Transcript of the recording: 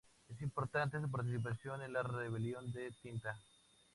Es importante su participación en la rebelión de Tinta.